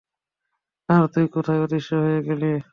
আর তুই, কোথায় অদৃশ্য হয়ে গেলি।